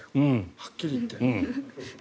はっきり言って。